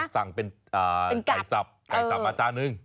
อ๋อสั่งเป็นไก่สับไก่สับมาจานนึง